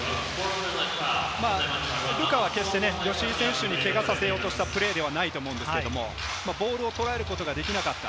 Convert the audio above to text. ルカは決して吉井選手にけがをさせようとしたプレーではないと思うんですけれど、ボールを捉えることができなかった。